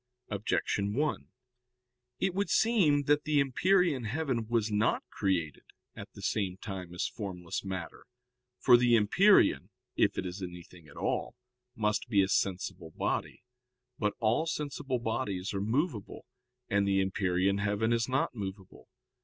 Objection 1: It would seem that the empyrean heaven was not created at the same time as formless matter. For the empyrean, if it is anything at all, must be a sensible body. But all sensible bodies are movable, and the empyrean heaven is not movable.